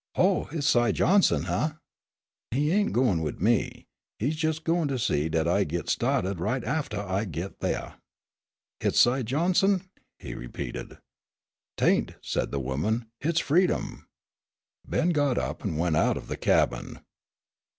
"Oh, hit's Si Johnson? Huh!" "He ain' goin' wid me. He's jes' goin' to see dat I git sta'ted right aftah I git thaih." "Hit's Si Johnson?" he repeated. "'Tain't," said the woman. "Hit's freedom." Ben got up and went out of the cabin.